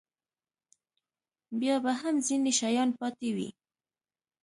بیا به هم ځینې شیان پاتې وي.